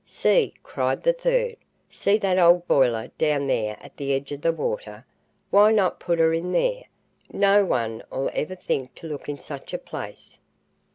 "See," cried the third. "See that old boiler down there at the edge of the water? Why not put her in there? No one'll ever think to look in such a place."